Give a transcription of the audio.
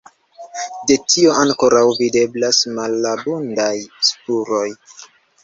De tio ankoraŭ videblas malabundaj spuroj.